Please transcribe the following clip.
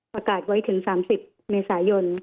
ประกาศไว้ถึง๓๐เมษายน